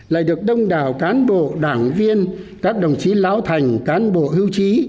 lại được đông đảo cán bộ đảng viên các đồng chí lão thành cán bộ hưu trí